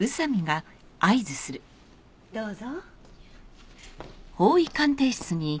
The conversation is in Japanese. どうぞ。